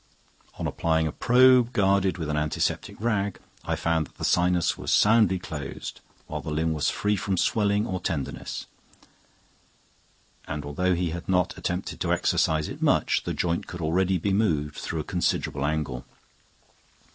On applying a probe guarded with an antiseptic rag, I found that the sinus was soundly closed, while the limb was free from swelling or tenderness; and, although he had not attempted to exercise it much, the joint could already be moved through a considerable angle.